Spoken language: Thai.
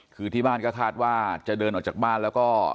คือที่บ้านก็คาดว่าจะเดินออกจากบ้านแล้วก็